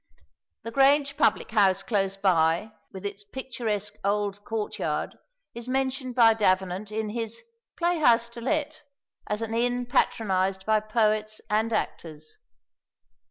The Grange public house close by, with its picturesque old courtyard, is mentioned by Davenant, in his "Playhouse to Let," as an inn patronised by poets and actors.